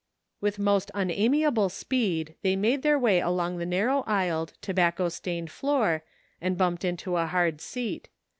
With most unamiable speed they made their way along the narrow aisled, tobacco stained floor and bumped into a hard seat.